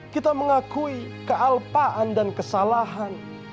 kita mengakui kealpaan dan kesalahan